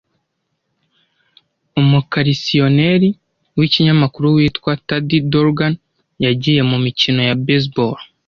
umukarisiyoneri wikinyamakuru witwa Tad Dorgan yagiye mumikino ya baseball.